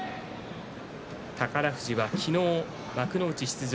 宝富士は昨日幕内出場